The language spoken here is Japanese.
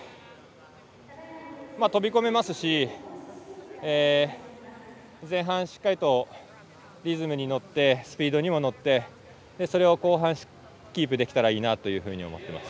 飛び込めますし前半しっかりとリズムに乗ってスピードにも乗ってそれを後半、キープできたらいいなと思ってます。